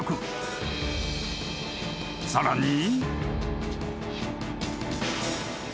［さらに］